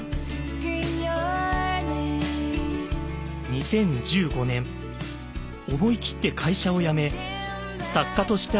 ２０１５年思い切って会社を辞め作家として歩む決心をします。